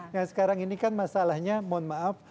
nah sekarang ini kan masalahnya mohon maaf